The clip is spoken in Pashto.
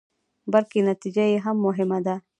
بلکې نتيجه يې هم مهمه ده.